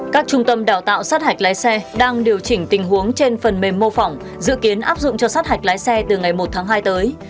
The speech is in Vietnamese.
các trung tâm đào tạo sát hạch lái xe đang điều chỉnh tình huống trên phần mềm mô phỏng dự kiến áp dụng cho sát hạch lái xe từ ngày một tháng hai tới